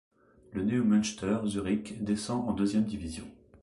Le Neumünster Zurich descend en deuxième division.